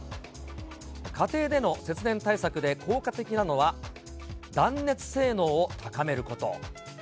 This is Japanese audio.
家庭での節電対策で効果的なのは、断熱性能を高めること。